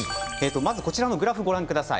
こちらのグラフをご覧ください。